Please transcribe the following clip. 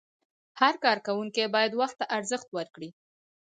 هر کارکوونکی باید وخت ته ارزښت ورکړي.